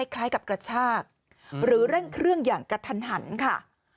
คล้ายกับกระชากหรือเร่งเครื่องอย่างกระทันหันค่ะ